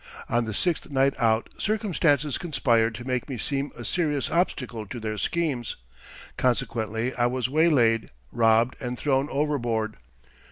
On the sixth night out circumstances conspired to make me seem a serious obstacle to their schemes. Consequently I was waylaid, robbed, and thrown overboard.